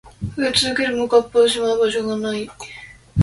増え続けるマグカップをしまう場所が無い